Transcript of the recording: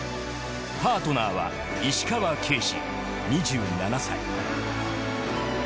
パートナーは石川京侍２７歳。